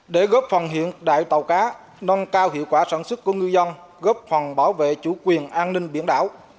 để góp phần hiện đại tàu cá nâng cao hiệu quả sản xuất của ngư dân góp phần bảo vệ chủ quyền an ninh biển đảo